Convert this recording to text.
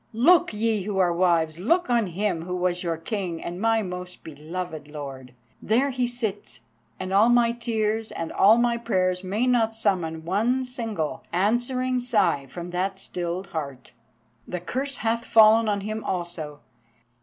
look! ye who are wives, look on him who was your King and my most beloved lord. There he sits, and all my tears and all my prayers may not summon one single answering sigh from that stilled heart. The curse hath fallen on him also.